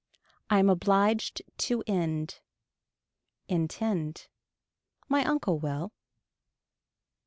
I am obliged to end. Intend. My uncle will.